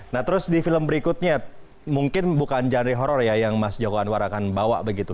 nah terus di film berikutnya mungkin bukan genre horror ya yang mas joko anwar akan bawa begitu